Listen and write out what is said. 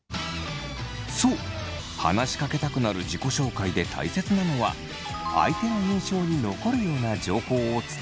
そう話しかけたくなる自己紹介で大切なのは相手の印象に残るような情報を伝えること。